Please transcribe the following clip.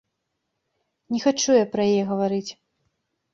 Не хачу я пра яе гаварыць.